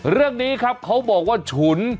เรื่องนี้ครับเขาบอกว่าฉุน